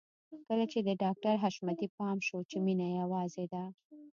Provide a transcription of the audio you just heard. کله چې د ډاکټر حشمتي پام شو چې مينه يوازې ده.